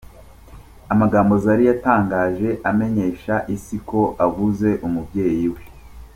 Amagambo Zari yatangaje amenyesha isi ko abuze umubyeyi we.